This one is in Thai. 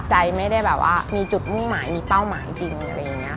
ใจไม่ได้แบบว่ามีจุดมุ่งหมายมีเป้าหมายจริงอะไรอย่างนี้